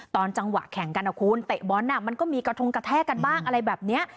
ตอนจังหวะแข่งกันนะคุณเตะบอลมันก็มีกระทงกระแทกกันบ้างอะไรแบบนี้